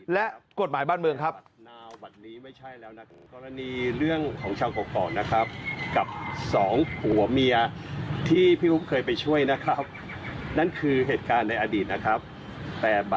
และกฎหมายบ้านเมืองครับ